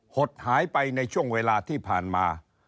หดหายไปในช่วงเวลาที่ผ่านมา